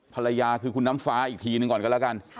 ภรรยาคือคุณน้ำฟ้าอีกทีหนึ่งก่อนก็แล้วกัน